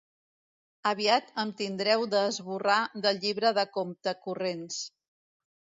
Aviat em tindreu de esborrar del llibre de compte-corrents.